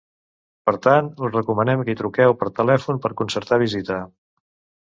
Per tant, us recomanem que hi truqueu per telèfon per concertar visita.